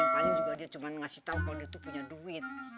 paling juga dia cuma ngasih tahu kalau dia tuh punya duit